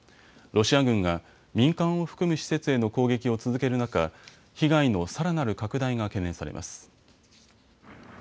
ロシア軍が民間を含む施設への攻撃を続ける中、被害のさらなる拡大が懸念されます。